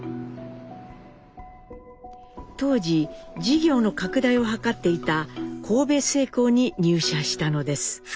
当時事業の拡大を図っていた神戸製鋼に入社したのです。